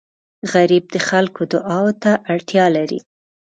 غریب د خلکو دعا ته اړتیا لري